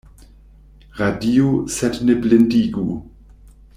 Radiu sed ne blindigu.